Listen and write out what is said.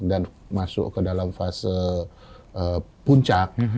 dan masuk ke dalam fase puncak